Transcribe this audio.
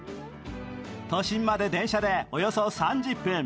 都心まで電車でおよそ３０分。